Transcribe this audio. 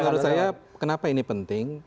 menurut saya kenapa ini penting